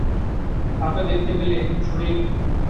কাউকে দেখতে ফেলে, সরিয়ে নিন।